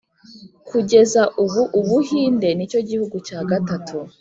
kugeza ubu, ubuhinde nicyo gihugu cya gatatu